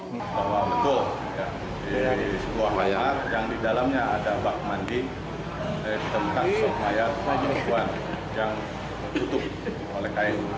bahwa betul di sebuah layar yang di dalamnya ada bak mandi ditemukan suap mayat perempuan yang tutup oleh kain